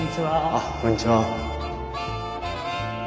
あっこんにちは。